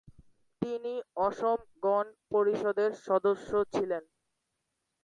তিনি অসম গণ পরিষদের সদস্য ছিলেন।